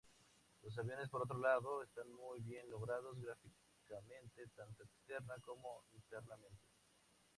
Los aviones, por otro lado, están muy bien logrados gráficamente tanto externa como internamente.